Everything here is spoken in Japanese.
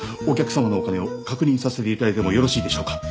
「お客さまのお金を確認させていただいてもよろしいでしょうか？」